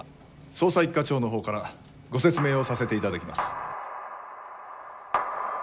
捜査一課長のほうからご説明をさせて頂きます。